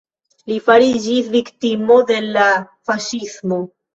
Li fariĝis viktimo de la faŝismo.